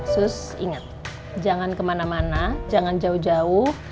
sus ingat jangan kemana mana jangan jauh jauh